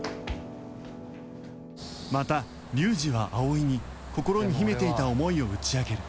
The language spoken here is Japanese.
また龍二は葵に心に秘めていた思いを打ち明ける